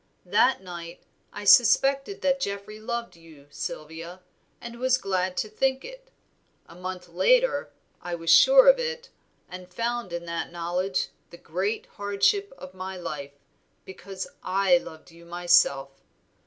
that night I suspected that Geoffrey loved you, Sylvia, and was glad to think it. A month later I was sure of it, and found in that knowledge the great hardship of my life, because I loved you myself.